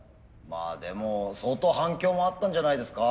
まあでも相当反響もあったんじゃないですか？